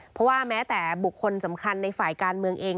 เพราะว่าแม้แต่บุคคลสำคัญในฝ่ายการเมืองเอง